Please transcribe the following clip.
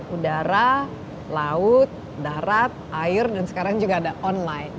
udara laut darat air dan sekarang juga ada online